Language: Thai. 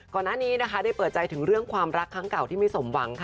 ก่อนหน้านี้นะคะได้เปิดใจถึงเรื่องความรักครั้งเก่าที่ไม่สมหวังค่ะ